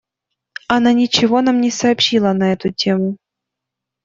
Она ничего нам не сообщила на эту тему.